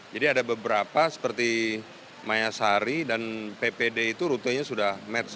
jadi ada beberapa seperti mayasari dan ppd itu rutinnya sudah match